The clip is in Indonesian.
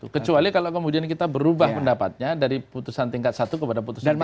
kecuali kalau kemudian kita berubah pendapatnya dari putusan tingkat satu kepada putusan dua